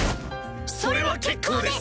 それは結構です！